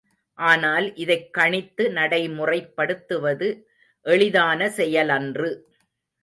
ஆனால் இதைக் கணித்து நடைமுறைப்படுத்துவது, எளிதான செயலன்று.